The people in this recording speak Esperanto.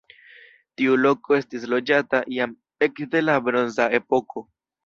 Tiu loko estis loĝata jam ekde la bronza epoko.